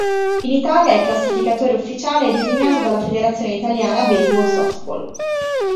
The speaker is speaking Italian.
In Italia il classificatore ufficiale è designato dalla Federazione Italiana Baseball Softball.